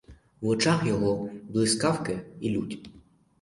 В очах його блискавки і лють.